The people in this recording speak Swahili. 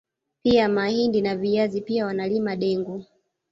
Pia mahindi na viazi pia wanalima dengu